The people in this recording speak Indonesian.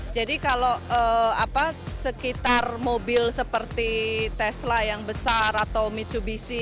jadi kalau sekitar mobil seperti tesla yang besar atau mitsubishi